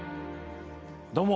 どうも。